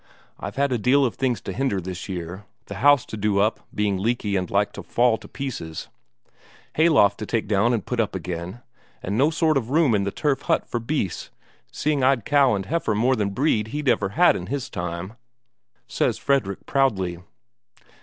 I've had a deal of things to hinder this year; the house to do up, being leaky and like to fall to pieces; hayloft to take down and put up again, and no sort of room in the turf hut for beasts, seeing I'd cow and heifer more than Brede he'd ever had in his time," says Fredrik proudly.